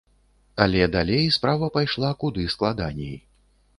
Але далей справа пайшла куды складаней.